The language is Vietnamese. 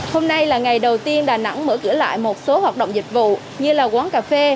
hôm nay là ngày đầu tiên đà nẵng mở cửa lại một số hoạt động dịch vụ như là quán cà phê